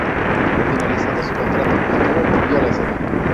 Finalizado su contrato, el dúo volvió a la escena.